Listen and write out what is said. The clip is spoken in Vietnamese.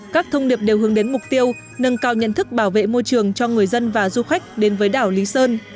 các thông điệp đều hướng đến mục tiêu nâng cao nhận thức bảo vệ môi trường cho người dân và du khách đến với đảo lý sơn